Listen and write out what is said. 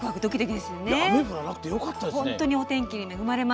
雨降らなくてよかったですね。